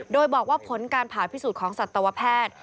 โดยบอกว่าผลการผ่าพิสูจน์ของสัตวแพทย์